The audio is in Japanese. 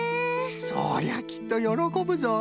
そりゃきっとよろこぶぞい。